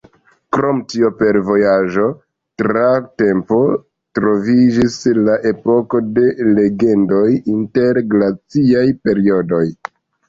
Krom tio, per vojaĝo tra tempo troviĝis la Epoko de Legendoj inter glaciaj periodoj.